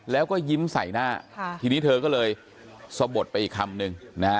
แล้วก็ยิ้มใส่หน้าทีนี้เธอก็เลยสะบดไปอีกคำนึงนะฮะ